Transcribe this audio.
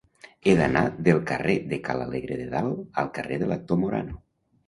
He d'anar del carrer de Ca l'Alegre de Dalt al carrer de l'Actor Morano.